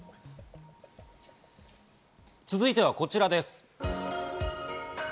続いてはこちらです。